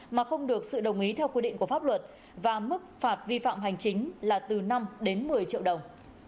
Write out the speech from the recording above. mà không được sự đồng ý theo quy định của pháp luật và mức phạt vi phạm hành chính là từ năm đến một mươi triệu đồng